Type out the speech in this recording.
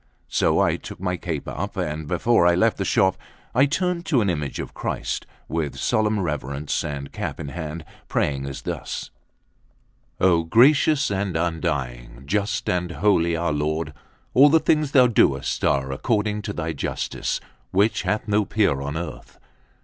So I took my cape up, and before I left the shop, I turned to an image of Christ, with solemn reverence and cap in hand, praying as thus: "O gracious and undying, just and holy our Lord, all the things thou doest are according to thy justice, which hath no peer on earth.